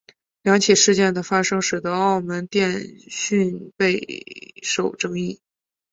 两起事件的发生使得澳门电讯备受议论。